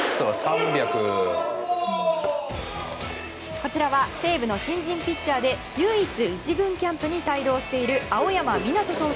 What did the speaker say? こちらは西武の新人ピッチャーで唯一１軍キャンプに帯同している青山美夏人投手。